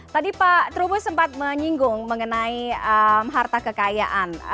tadi pak trubus sempat menyinggung mengenai harta kekayaan